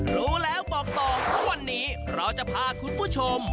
รู้แล้วบอกต่อวันนี้เราจะพาคุณผู้ชม